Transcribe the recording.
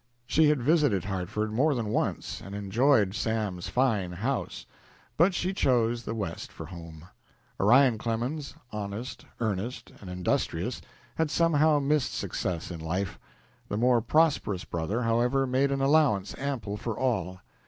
She had visited Hartford more than once and enjoyed "Sam's fine house," but she chose the West for home. Orion Clemens, honest, earnest, and industrious, had somehow missed success in life. The more prosperous brother, however, made an allowance ample for all.